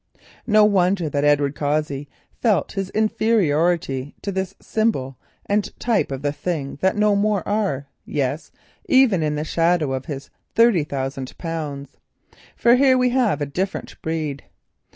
No wonder that Edward Cossey felt his inferiority to this symbol and type of the things that no more are, yes even in the shadow of his thirty thousand pounds. For here we have a different breed.